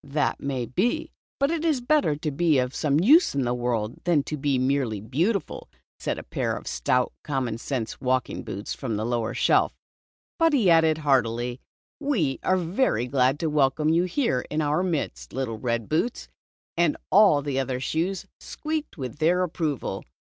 "That may be, but it is better to be of some use in the world than to be merely beautiful," said 202 Red Boots. a pair of stout commonsense walking boots from the lower shelf "But," he added heartily, '*we are very glad to welcome you here in our midst, little Red Boots," and all the other shoes squeaked their approval.